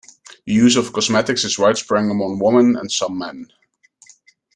The use of cosmetics is widespread among women, and some men.